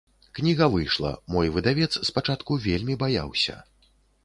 Кніга выйшла, мой выдавец спачатку вельмі баяўся.